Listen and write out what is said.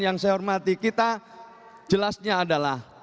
yang saya hormati kita jelasnya adalah